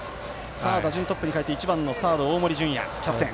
打順トップにかえって１番サードの大森准弥キャプテン。